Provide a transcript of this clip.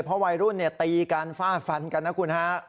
เพราะวัยรุ่นตีกันฟ่าฟันกันนะคุณฮะ